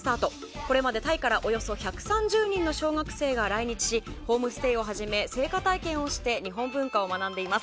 これまでタイからおよそ１３０人の小学生が来日しホームステイをはじめ生花体験をして日本文化を学んでいます。